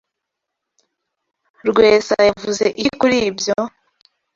Rwesa yavuze iki kuri ibyo?